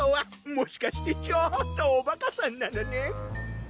もしかしてちょーっとおバカさんなのねん？